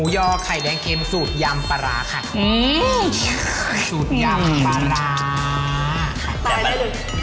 ไปไปไปไปไปไป